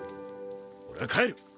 俺は帰る！